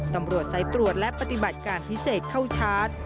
ตำรวจสายตรวจและปฏิบัติการพิเศษเข้าชาร์จ